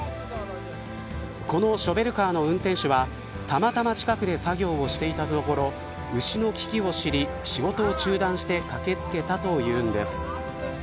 このショベルカーの運転手はたまたま近くで作業をしていたところ牛の危機を知り、仕事を中断して駆け付けたというんです。